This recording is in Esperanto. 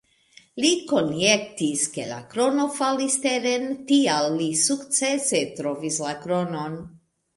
Li konjektis, ke la krono falis teren, tial li sukcese trovis la kronon.